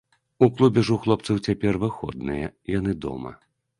У клубе ж у хлопцаў цяпер выходныя, яны дома.